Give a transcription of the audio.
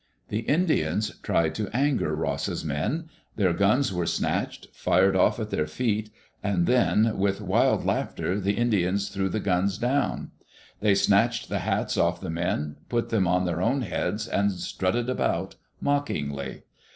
The Indians tried to anger Ross's men. Their guns were snatched, fired off at their feet, and then with wild laughter the Indians threw the guns down. They snatched the hats off the men, put them on their own heads, and strutted about mockingly.